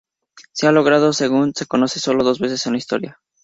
Se ha logrado, según se conoce, solo dos veces en la historia.